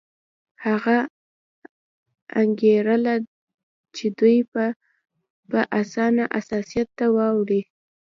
هغه انګېرله چې دوی به په اسانه عیسایت ته واوړي.